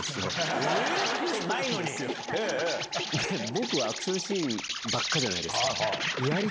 ボクはアクションシーンばっかじゃないですか。